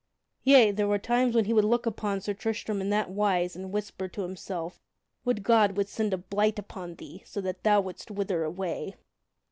Yea; there were times when he would look upon Sir Tristram in that wise and whisper to himself: "Would God would send a blight upon thee, so that thou wouldst wither away!"